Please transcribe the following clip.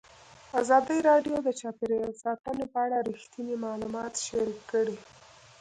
ازادي راډیو د چاپیریال ساتنه په اړه رښتیني معلومات شریک کړي.